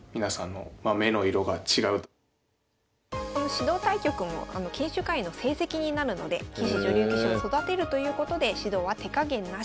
指導対局も研修会員の成績になるので棋士女流棋士を育てるということで指導は手加減なし。